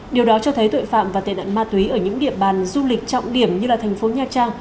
điều đó cho thấy tội phạm và tệ nạn ma túy ở những địa bàn du lịch trọng điểm như là thành phố nha trang